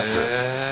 え。